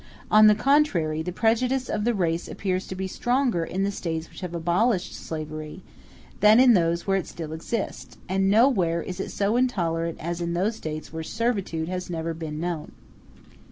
On the contrary, the prejudice of the race appears to be stronger in the States which have abolished slavery, than in those where it still exists; and nowhere is it so intolerant as in those States where servitude has never been known.